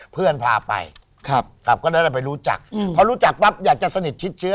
เพราะรู้จักแทบอยากจะสนิทชิดเชื้อ